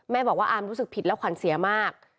บอกว่าอามรู้สึกผิดแล้วขวัญเสียมาก